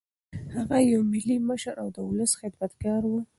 هغه یو ملي مشر او د ولس خدمتګار و.